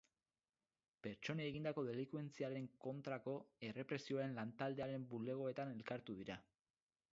Pertsonei egindako delinkuentziaren kontrako errepresioaren lantaldearen bulegoetan elkartu dira.